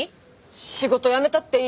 「仕事辞めたっていいよ。